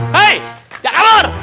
hei jangan kalur